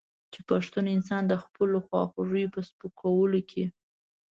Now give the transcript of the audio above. چې پښتون انسان د خپلو خواخوږو په سپکولو کې.